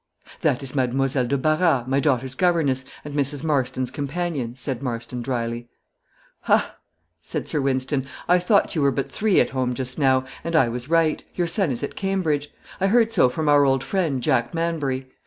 "That is Mademoiselle de Barras, my daughter's governess, and Mrs. Marston's companion," said Marston, drily. "Ha!" said Sir Wynston; "I thought you were but three at home just now, and I was right. Your son is at Cambridge; I heard so from our old friend, Jack Manbury.